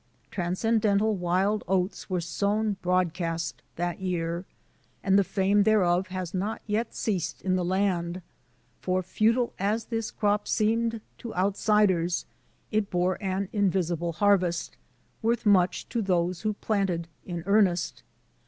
I Transcendental wild oats were sown broadcast that year, and the fame thereof has not yet ceased in the land; for, futile as this crop seemed to outsiders, it bore an invisible harvest, worth much to those who planted in earnest.